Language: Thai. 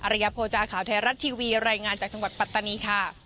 ระยะโภจาข่าวไทยรัฐทีวีรายงานจากจังหวัดปัตตานีค่ะ